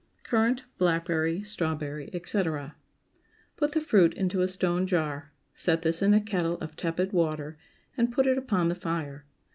CURRANT, BLACKBERRY, STRAWBERRY, ETC. ✠ Put the fruit into a stone jar; set this in a kettle of tepid water, and put it upon the fire.